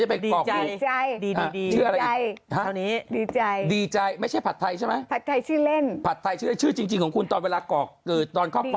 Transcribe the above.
ถ้ามีใจดิใจไม่ใช่ผัดไทยใช่ไหมชื่อของคุณตอนเวลากล่องตอนครครับ